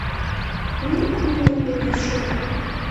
Уи ажәлар ирҟазшьоуп.